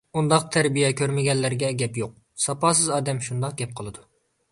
ئۇنداق تەربىيە كۆرمىگەنلەرگە گەپ يوق. ساپاسىز ئادەم شۇنداق گەپ قىلىدۇ.